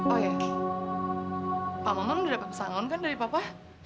oh iya pak maman udah dapet pesangan kan dari papa